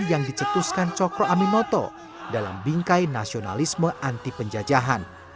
yang dicetuskan cokro aminoto dalam bingkai nasionalisme anti penjajahan